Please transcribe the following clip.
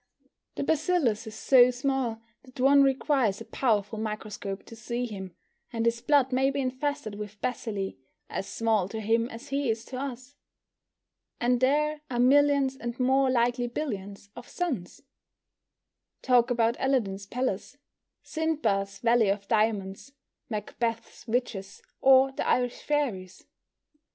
The bacillus is so small that one requires a powerful microscope to see him, and his blood may be infested with bacilli as small to him as he is to us. And there are millions, and more likely billions, of suns! Talk about Aladdin's palace, Sinbad's valley of diamonds, Macbeth's witches, or the Irish fairies!